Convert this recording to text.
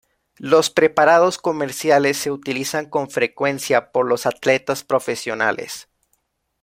Los preparados comerciales se utilizan con frecuencia por los atletas profesionales.